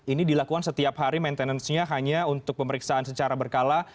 ini dilakukan setiap hari maintenance nya hanya untuk pemeriksaan secara berkala